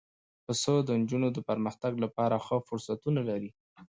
پسه د نجونو د پرمختګ لپاره ښه فرصتونه لري.